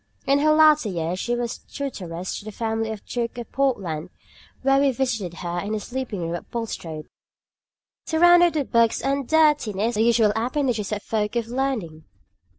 In her latter years she was tutoress in the family of the Duke of Portland, where we visited her in her sleeping room at Bulstrode, surrounded with books and dirtiness, the usual appendages of folk of learning!"